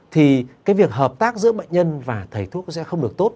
thì cái việc hợp tác giữa bệnh nhân và thầy thuốc sẽ không được tốt